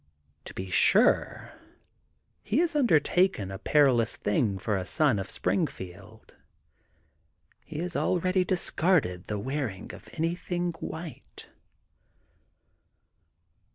To be sure, he has undertaken a perilous thing for a son of Springfield. He has already discarded the wearing of anything white.